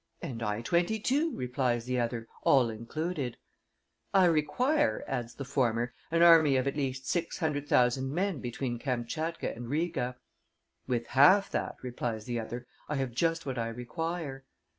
'And I twenty two,' replies the other, 'all included.' 'I require,' adds the former, 'an army of at least six hundred thousand men between Kamtchatka and Riga.' 'With half that,' replies the other, 'I have just what I require.